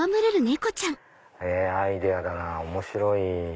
アイデアだな面白い。